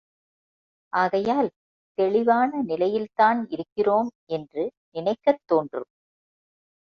ஆகையால் தெளிவான நிலையில்தான் இருக்கிறோம் என்று நினைக்கத் தோன்றும்.